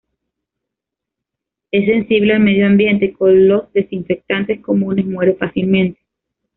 Es sensible al medio ambiente, con los desinfectantes comunes muere fácilmente.